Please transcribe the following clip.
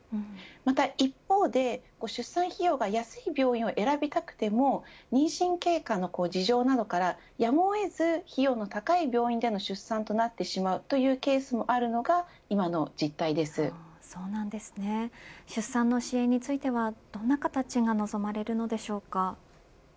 また一方で出産費用が安い病院を選びたくても妊娠経過の事情などからやむを得ず費用の高い病院での出産となってしまうというケースもあるのが出産の支援についてはどんな形が望まれるのでしょうか。